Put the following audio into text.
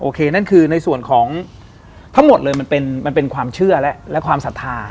นั่นคือในส่วนของทั้งหมดเลยมันเป็นความเชื่อและความศรัทธา